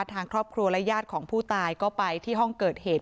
ทางครอบครัวและญาติของผู้ตายก็ไปที่ห้องเกิดเหตุ